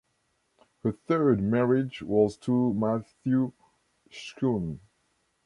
Her third marriage was to Matthew Schoen.